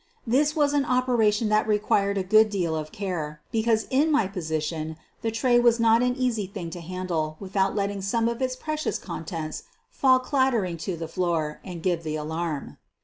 This was an operation that required a good deal of care, because in my position the tray was not an easy thing to handle without letting some of its precious contents fall clattering to the floor and give the alarm.